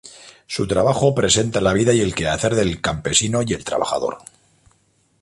Su trabajo presenta la vida y el quehacer del campesino y el trabajador.